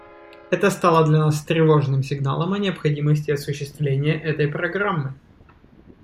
Это стало для нас тревожным сигналом о необходимости осуществления этой программы.